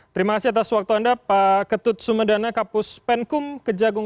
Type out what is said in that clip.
terima kasih atas waktu anda pak ketut sumedana kapus penkum kejagung